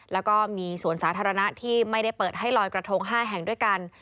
แล้วก็มีสวนสาธารณะที่ไม่ได้เปิดให้ลอยกระทง๕แห่งด้วยกัน